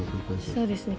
そうですね。